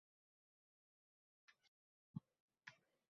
Ammo allomalar aytganiday, boshga tushganini ko`z ko`raveradi